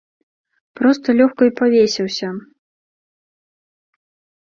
Проста лёгка і павесіўся!